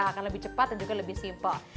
akan lebih cepat dan juga lebih simpel